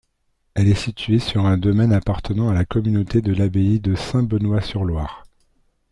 Elle est située sur un domaine appartenant à la communauté de l'abbaye de Saint-Benoît-sur-Loire.